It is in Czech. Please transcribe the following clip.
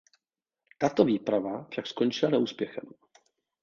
Tato výprava však skončila neúspěchem.